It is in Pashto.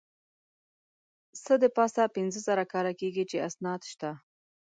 څه د پاسه پینځه زره کاله کېږي چې اسناد شته.